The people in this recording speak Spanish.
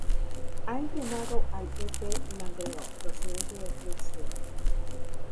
Ha entrenado al U. P. Langreo procedente del Club Siero.